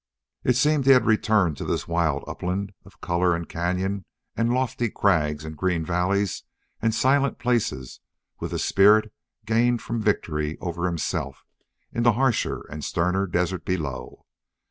It seemed he had returned to this wild upland of color and cañon and lofty crags and green valleys and silent places with a spirit gained from victory over himself in the harsher and sterner desert below.